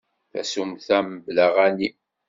Tasumta mebla aɣanim.